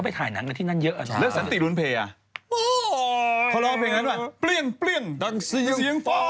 เพราะอากาศมันดีใช่มะเพราะอากาศมันดีใช่มะ